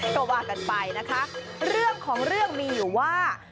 ก็ว่ากันไปนะคะเรื่องของเรื่องมีอยู่ว่า